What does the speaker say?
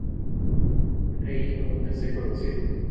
Padre e hijo nunca se conocieron.